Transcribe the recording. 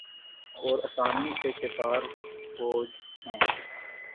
اور آسانی سے شکار ہو ج ہیں